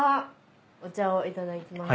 お茶をいただきます。